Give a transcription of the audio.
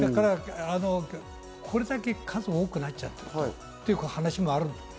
これだけ数多くなっちゃうとという話もある。